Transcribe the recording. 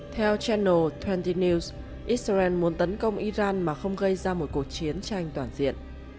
theo channel hai mươi news israel muốn tấn công iran mà không gây ra một cuộc chiến tranh toàn diện